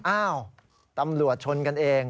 อ้าวตำรวจชนกันเอง